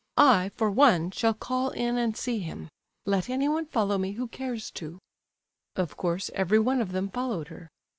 I, for one, shall call in and see him. Let anyone follow me who cares to." Of course every one of them followed her.